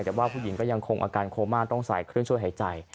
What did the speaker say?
แต่ว่าผู้หญิงก็ยังคงอาการโคม่าต้องใส่เครื่องช่วยหายใจ